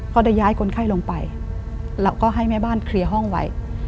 เค้าจะย้ายคนไข้ลงไปแล้วก็ให้แม่บ้านเคลียร์ห้องไว้